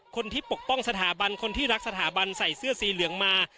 ปกป้องสถาบันคนที่รักสถาบันใส่เสื้อสีเหลืองมา